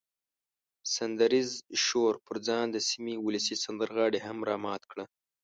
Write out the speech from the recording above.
سندریز شور پر ځان د سیمې ولسي سندرغاړي هم را مات کړه.